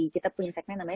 kita punya segmen namanya